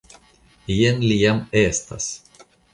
Jen li jam estas.